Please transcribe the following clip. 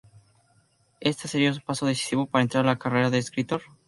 Este sería su paso decisivo para entrar en la carrera de escritor.